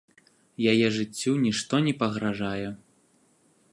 Яе жыццю нішто не пагражае.